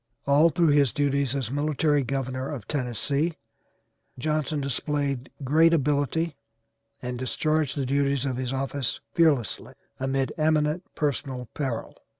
All through his duties as military governor of Tennessee Johnson displayed great ability and discharged the duties of his office fearlessly, amid eminent personal peril.